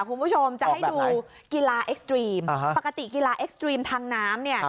คุณผู้ชมจะให้ดูกีฬาเอ็กซ์ตรีมปกติกีฬาเอ็กซ์ตรีมทางน้ำเนี่ย